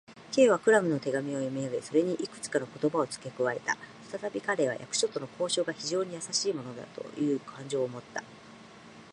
Ｋ はクラムの手紙を読みあげ、それにいくつかの言葉をつけ加えた。ふたたび彼は、役所との交渉が非常にやさしいものなのだという感情をもった。